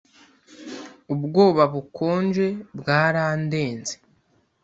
ubwoba bukonje bwarandenze.